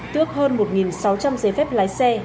tước hơn một sáu trăm linh giấy phép lái xe